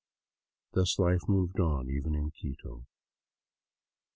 Thus life moved on, even in Quito.